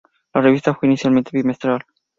La revista fue inicialmente bimestral.